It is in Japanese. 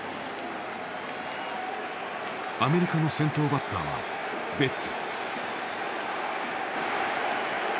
アメリカの先頭バッターはベッツ。